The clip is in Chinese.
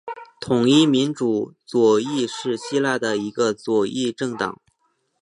统一民主左翼是希腊的一个左翼政党。